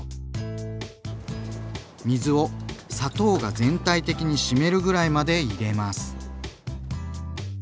水を砂糖が全体的に湿るぐらいまで入れます。